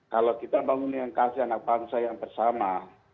kalau kita bangun yang kasih anak bangsa yang bersama